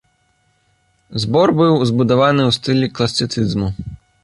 Збор быў збудаваны ў стылі класіцызму.